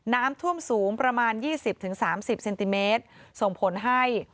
น้ำท่วมสูงประมาณยี่สิบถึงสามสิบเซนติเมตรส่งผลให้